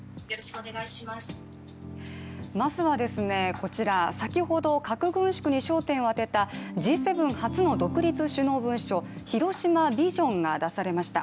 まずは、先ほど核軍縮に焦点を当てたＧ７初の独立首脳文書、広島ビジョンが出されました。